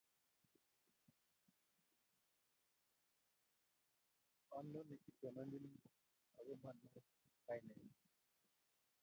ononi itondonyin ako monooni kainenyin